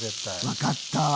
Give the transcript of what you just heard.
分かった。